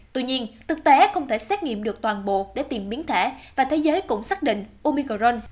tuy nhiên thực tế không thể xét nghiệm được toàn bộ để tìm biến thể và thế giới cũng xác định umicron